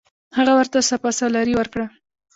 هغه ورته سپه سالاري ورکړه.